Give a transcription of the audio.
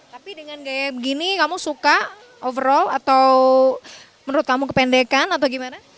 tapi dengan gaya begini kamu suka overall atau menurut kamu kependekan atau gimana